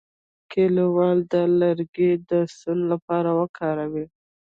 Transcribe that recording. کلیوالو دا لرګي د سون لپاره وکارول.